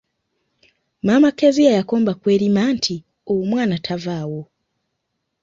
Maama Kezia yakomba ku erima nti omwana tavaawo.